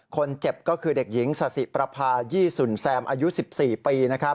คนเจ็บก็คือเด็กหญิงสาธิประพายี่สุนแซมอายุ๑๔ปี